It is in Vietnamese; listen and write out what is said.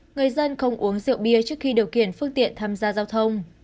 người dân không uống rượu bia trước khi điều khiển phương tiện tham gia giao thông